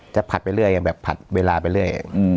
ผัดไปเรื่อยยังแบบผัดเวลาไปเรื่อย